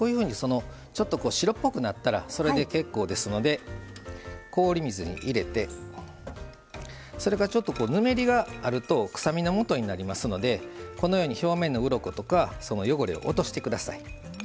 ちょっと白っぽくなったらそれで結構ですので氷水に入れてそれからちょっとぬめりがあると臭みのもとになりますのでこのように表面のうろことか汚れを落としてください。